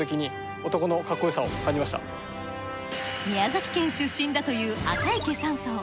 宮崎県出身だという赤池３曹。